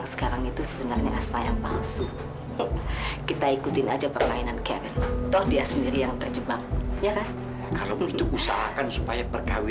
terus setelah mami kamu meninggal yang ngurusin perusahaan siapa